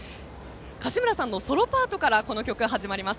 かしむらさんのソロパートからこの曲が始まります。